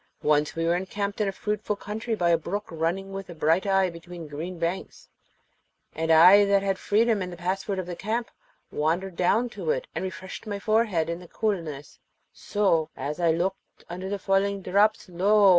Once we were encamped in a fruitful country by a brook running with a bright eye between green banks, and I that had freedom and the password of the camp wandered down to it, and refreshed my forehead with its coolness. So, as I looked under the falling drops, lo!